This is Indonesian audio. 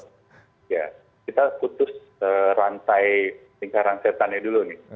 ya kita putus rantai lingkaran setannya dulu nih